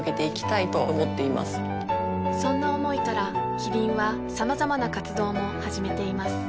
そんな思いからキリンはさまざまな活動も始めています